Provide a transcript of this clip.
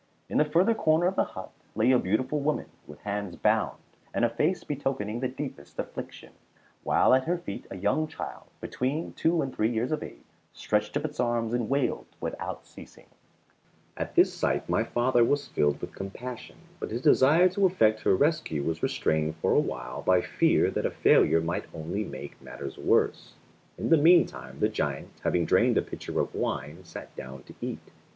In the further corner of the hut lay a beautiful woman with hands bound, and a face betokening the deepest affliction, while at her feet a young child, between two and three years of age, stretched up its arms and wailed without ceasing. [Illustration: Presently in the distance he perceived a light.] At this sight my father was filled with compassion, but his desire to effect her rescue was restrained for a while by fear that a failure might only make matters worse. In the meantime the giant, having drained a pitcher of wine, sat down to eat.